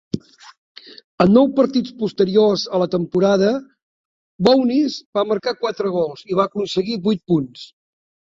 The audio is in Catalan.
En nou partits posteriors a la temporada, Bowness va marcar quatre gols i va aconseguir vuit punts.